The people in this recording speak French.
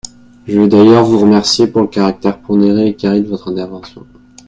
Je veux d’ailleurs vous remercier pour le caractère pondéré et carré de votre intervention.